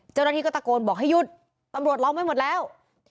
เจ้าหน้าที่ก็ตะโกนบอกให้หยุดตำรวจล้อมไว้หมดแล้ว